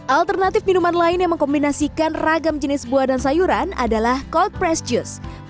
alternatif minuman lain yang mengkombinasikan ragam jenis buah dan sayuran adalah cold press juice